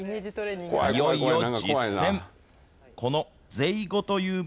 いよいよ実践。